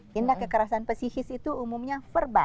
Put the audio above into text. tindak kekerasan pesisis itu umumnya verbal